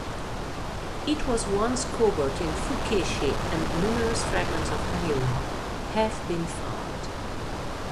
It was once covered in "fukiishi" and numerous fragments of "haniwa" have been found.